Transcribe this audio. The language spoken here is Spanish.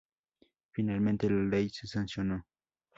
Finalmente la ley se sancionó.